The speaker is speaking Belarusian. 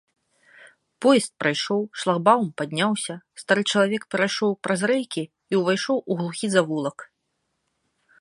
Поезд прайшоў, шлагбаум падняўся, стары чалавек перайшоў праз рэйкі і ўвайшоў у глухі завулак.